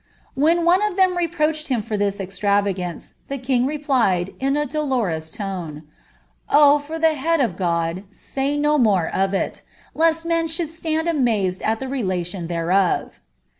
When one of them reproached for thtf extravagance, the king replied, in a dolorous tone : O ! for the head of God say no more of it, lest men should stand led at the relation thereof?